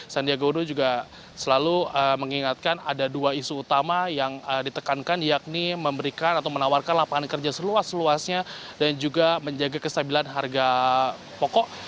sandiaga uno juga selalu mengingatkan ada dua isu utama yang ditekankan yakni memberikan atau menawarkan lapangan kerja seluas luasnya dan juga menjaga kestabilan harga pokok